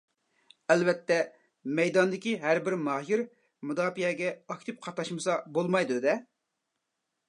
ئەلۋەتتە مەيداندىكى ھەر بىر ماھىر مۇداپىئەگە ئاكتىپ قاتناشمىسا بولمايدۇ-دە.